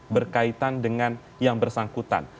berkaitan dengan yang bersangkutan